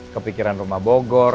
kepikiran rumah bogor